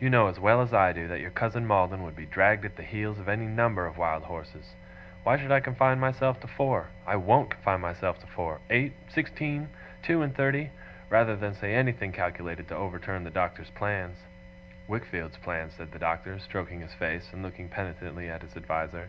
You know as well as I do that your cousin Maldon would be dragged at the heels of any number of wild horses why should I confine myself to four! I WON'T confine myself to four eight, sixteen, two and thirty, rather than say anything calculated to overturn the Doctor's plans.' 'Wickfield's plans,' said the Doctor, stroking his face, and looking penitently at his adviser.